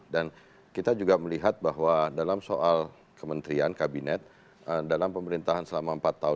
dan kita juga melihat bahwa dalam soal kementerian kabinet dalam pemerintahan selama empat tahun